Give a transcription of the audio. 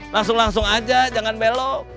langsung langsung aja jangan belok